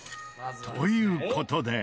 という事で